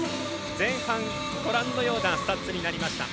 前半、ご覧のようなスタッツになりました。